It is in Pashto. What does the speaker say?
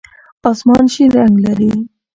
آسمان شین رنګ لري.